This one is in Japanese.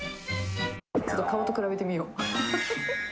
ちょっと顔と比べてみよう。